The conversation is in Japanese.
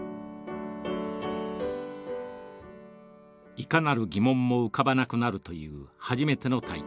いかなる疑問も浮かばなくなるという初めての体験。